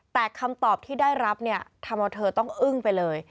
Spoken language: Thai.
แต่คำตอบที่ได้รับถ่าเพื่อนต้องอึ้งไปเลย